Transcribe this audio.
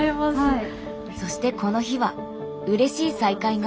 そしてこの日はうれしい再会が。